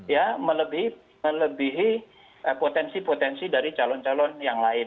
ya melebihi potensi potensi dari calon calon yang lain